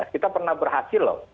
kita pernah berhasil loh